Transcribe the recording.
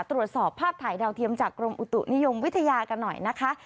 ตรวจสอบภาพถ่ายดาวเทียมจากกรมอุตุนิยมวิทยากันหน่อยนะคะ